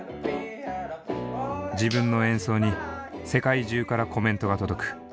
自分の演奏に世界中からコメントが届く。